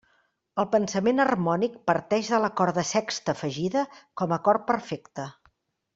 El pensament harmònic parteix de l'acord de sexta afegida com a acord perfecte.